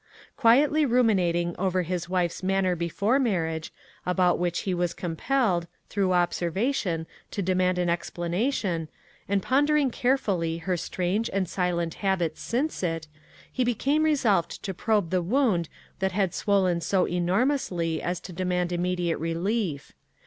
Quietly ruminating over his wife's manner before marriage, about which he was compelled, through observation, to demand an explanation, and pondering carefully her strange and silent habits since it, he became resolved to probe the wound that had swollen so enormously as to demand immediate relief.